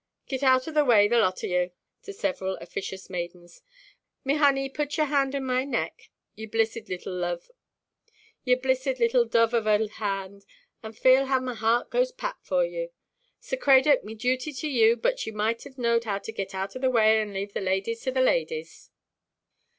—Git out of the way, the lot on you"—to several officious maidens—"me honey, put your hand in my neck, your blissed leetle dove of a hand, and fale how me heart goes pat for you. Sir Crayduck, me duty to you, but you might 'ave knowed how to git out of the way, and lave the ladies to the ladies."